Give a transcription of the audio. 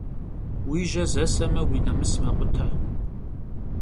Уи жьэ зэсэмэ, уи нэмыс мэкъутэ.